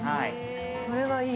それがいい。